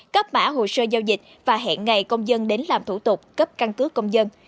cấp mã hồ sơ giao dịch và hẹn ngày công dân đến làm thủ tục cấp căn cước công dân